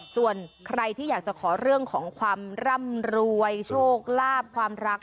ส่วนใครที่อยากจะขอเรื่องของความร่ำรวยโชคลาภความรัก